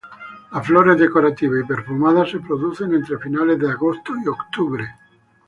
Las flores decorativas y perfumadas se producen entre finales de agosto y octubre.